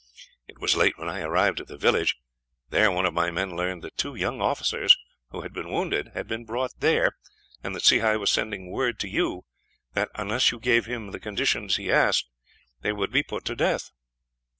It was late when I arrived at the village. There one of my men learned that two young officers, who had been wounded, had been brought there, and that Sehi was sending word to you that, unless you gave him the conditions he asked, they would be put to death.